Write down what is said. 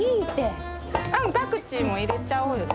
パクチーも入れちゃおうよ。